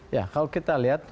ya kalau kita lihat